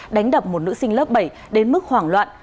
đánh đập một nữ sinh lớp bảy đến mức hoảng loạn